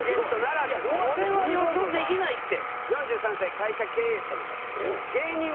いやこれは予想できないって。